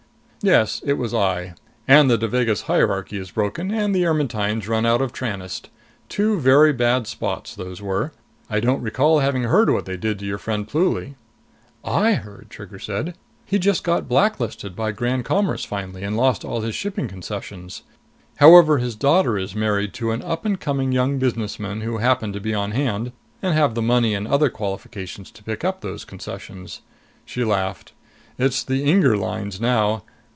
"Yes. It was I. And the Devagas hierarchy is broken, and the Ermetynes run out of Tranest. Two very bad spots, those were! I don't recall having heard what they did to your friend, Pluly." "I heard," Trigger said. "He just got black listed by Grand Commerce finally and lost all his shipping concessions. However, his daughter is married to an up and coming young businessman who happened to be on hand and have the money and other qualifications to pick up those concessions." She laughed. "It's the Inger Lines now.